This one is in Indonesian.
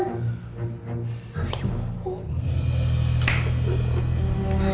masa ini aku mau ke rumah